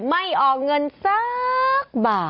ไม่ออกเงินสักบาท